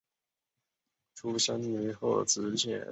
出身于滋贺县。